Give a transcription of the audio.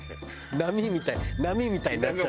波みたい波みたいになっちゃう。